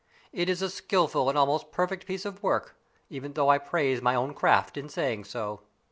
It is a skilful and almost perfect piece of work, even though I praise my own craft in saying so."